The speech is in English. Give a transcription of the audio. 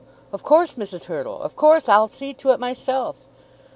Of course, Mrs. Hurtle, of course. I'll see to it myself."